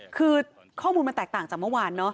คือข้อมูลมันแตกต่างจากเมื่อวานเนอะ